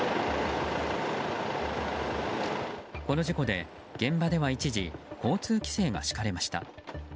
この事故で、現場では一時、交通規制が敷かれました。